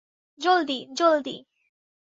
জলদি, জলদি!